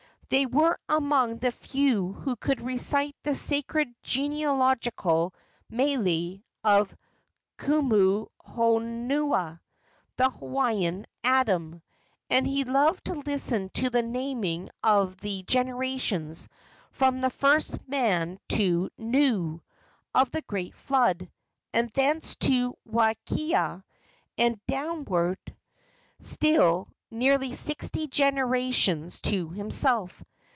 They were among the few who could recite the sacred genealogical mele of Kumuhonua, the Hawaiian Adam, and he loved to listen to the naming of the generations from the first man to Nuu, of the great flood, and thence to Wakea, and downward still nearly sixty generations to himself.